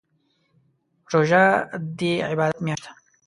روژه دي عبادات میاشت ده